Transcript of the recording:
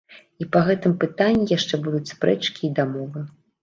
І па гэтым пытанні яшчэ будуць спрэчкі і дамовы.